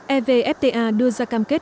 evfta đưa ra cam kết